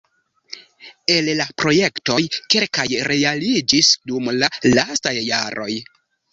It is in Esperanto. El la projektoj kelkaj realiĝis dum la lastaj jaroj.